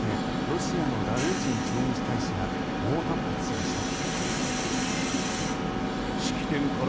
ロシアのガルージン駐日大使が猛反発しました。